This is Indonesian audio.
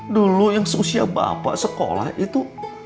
dulu yang seusia bapak sekolah itu